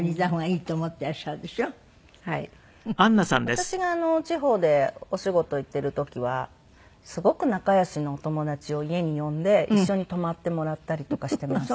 私が地方でお仕事行っている時はすごく仲良しのお友達を家に呼んで一緒に泊まってもらったりとかしています